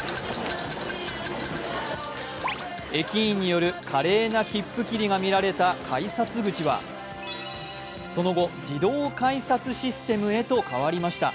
駅員による華麗な切符切りが見られた改札口はその後、自動改札システムへと変わりました。